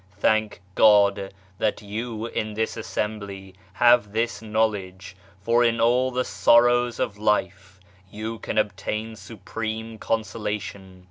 Thank God that you in this assembly have this know ledge, for in all the sorrows of life you can obtain supreme consolation.